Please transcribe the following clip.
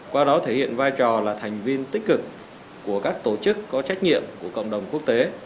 qua đó thể hiện vai trò là thành viên tích cực của các tổ chức có trách nhiệm của cộng đồng quốc tế